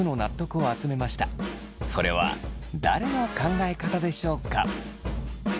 それは誰の考え方でしょうか。